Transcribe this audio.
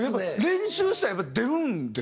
練習したら出るんですか？